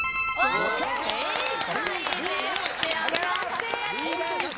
正解です。